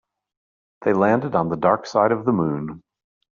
They landed on the dark side of the moon.